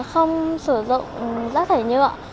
không sử dụng rác thải nhựa